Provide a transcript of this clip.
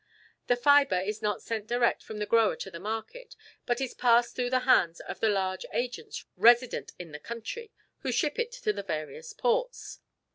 The fibre is not sent direct from the grower to the market, but is passed through the hands of the large agents resident in the country, who ship it to the various ports.